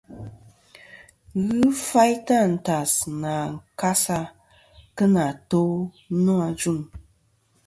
Ghɨ faytɨ àntas nɨ a kasa kɨ nà to nô ajuŋ.